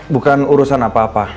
bukan urusan apa apa